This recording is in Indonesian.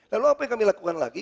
lalu apa yang kami lakukan lagi